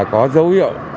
có dấu hiệu